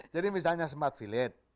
jadi misalnya smart village